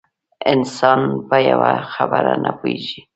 انسان په یوه خبره نه پوهېږي.